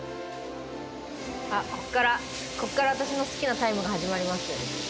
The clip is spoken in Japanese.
こっからこっから私の好きなタイムが始まります。